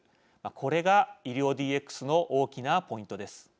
これが医療ＤＸの大きなポイントです。